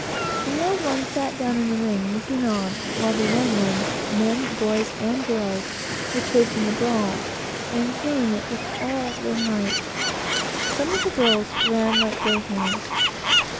The old ones sat down in a ring, looking on, while the young ones men, boys and girls were chasing the ball, and throwing it with all their might. Some of the girls ran like greyhounds.